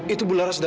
itu bulan rasulullah